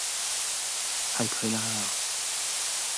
係佢啦!